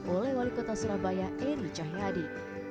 oleh wali kota surabaya eri cahyadi